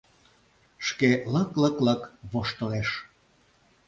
Шке лык-лык-лык воштылеш.